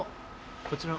こちらの。